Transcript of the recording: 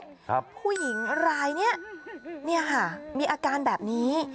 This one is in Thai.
กำแพงเพชรครับผู้หญิงอะไรเนี้ยเนี้ยฮะมีอาการแบบนี้